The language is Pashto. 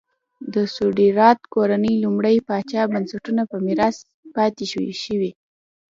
د سټورات کورنۍ لومړي پاچا بنسټونه په میراث پاتې شوې.